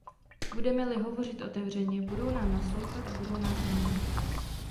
Budeme-li hovořit otevřeně, budou nám naslouchat a budou nás vnímat.